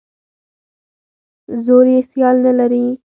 زور یې سیال نه لري.